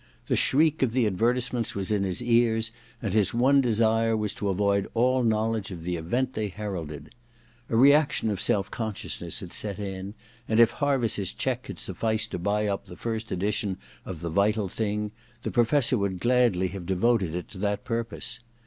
The shriek of the advertisements was in his ears, and his one desire was to avoid all knowledge of the event they heralded. A reaction of self consciousness had set in, and if Harviss's cheque had sufficed to buy up the first edition of *The Vital Thing* the Professor would gladly have devoted it to that purpose.